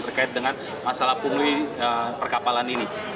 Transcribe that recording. terkait dengan masalah pungli perkapalan ini